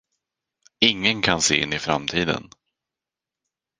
Ingen kan se in i framtiden.